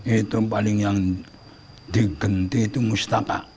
itu paling yang diganti itu mustaka